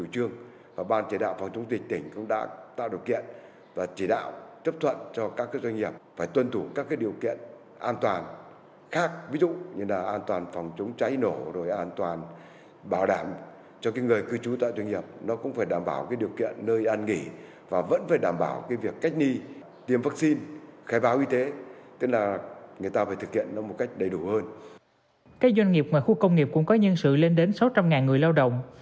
các doanh nghiệp ngoài khu công nghiệp cũng có nhân sự lên đến sáu trăm linh người lao động